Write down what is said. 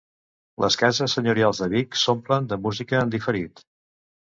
Les cases senyorials de Vic s'omplen de música en diferit.